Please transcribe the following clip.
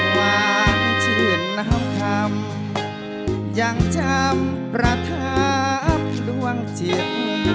หวานชื่นน้ำคำยังจำประทับดวงจิต